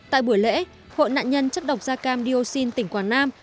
tại buổi lễ hộ nạn nhân chất độc gia cam diocene tỉnh quảng nam